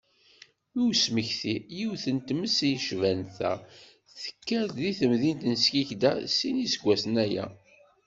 I usmekti, yiwet n tmes yecban ta, tekker deg temdint n Skikda sin n yiseggasen aya.